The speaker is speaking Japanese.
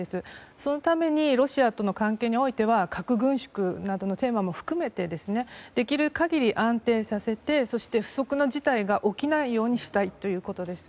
そのためにロシアとの関係においては核軍縮などのテーマも含めてできる限り安定させて不測の事態が起きないようにしたいということです。